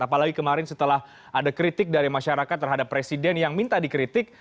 apalagi kemarin setelah ada kritik dari masyarakat terhadap presiden yang minta dikritik